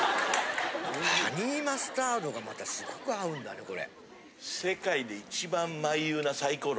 ハニーマスタードがまたすごく合うんだねこれ。